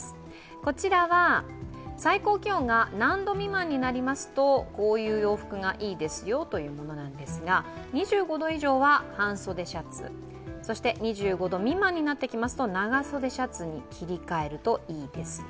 こちらは最高気温が何度未満になりますと、こういう洋服がいいですよというものなんですが、２５度以上は半袖シャツ、２５度未満になってきますと長袖シャツに切り替えるといいですよ。